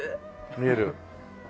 見える。